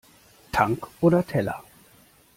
Tank oder Teller?